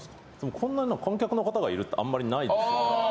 こんな観客の方がいるってあんまりないですよね。